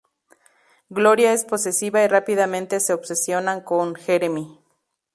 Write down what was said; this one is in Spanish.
Gloria es posesiva y rápidamente se obsesiona con Jeremy.